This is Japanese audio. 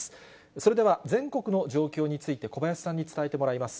それでは、全国の状況について、小林さんに伝えてもらいます。